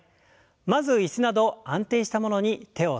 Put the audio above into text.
まず椅子など安定したものに手を添えましょう。